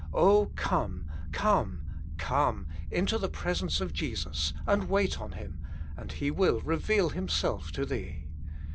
Oh, come, come, come, into the presence of Jesus and wait on Him, and He will reveal Himself to thee.